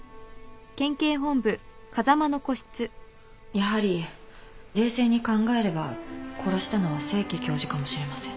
やはり冷静に考えれば殺したのは清家教授かもしれません。